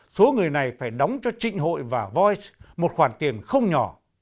số người này phải đóng cho trịnh hội và voice một khoản tiền không nhỏ